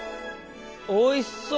おいしそう！